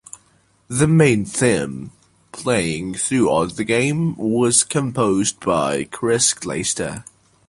The main theme playing throughout the game was composed by Chris Glaister.